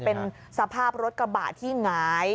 เป็นสภาพรถกระบะที่หงาย